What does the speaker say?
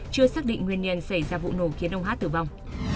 chưa xác định nguyên liên xảy ra vụ nổ khiến ông h tử vong